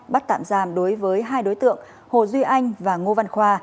bắt tạm giam đối với hai đối tượng hồ duy anh và ngô văn khoa